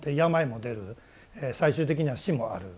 最終的には死もある。